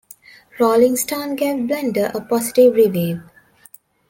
"Rolling Stone" gave "Blender" a positive review.